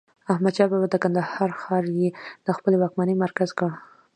احمدشاه بابا د کندهار ښار يي د خپلې واکمنۍ مرکز کړ.